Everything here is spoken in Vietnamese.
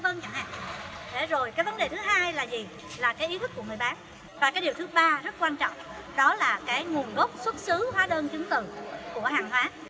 và điều thứ ba rất quan trọng đó là nguồn gốc xuất xứ hóa đơn chứng tự của hàng hóa